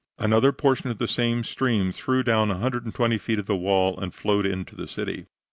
Another portion of the same stream threw down 120 feet of the wall and flowed into the city.